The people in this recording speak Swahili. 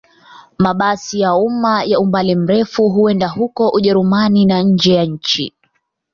Mabasi ya umma ya umbali mrefu huenda huko Ujerumani na nje ya nchi.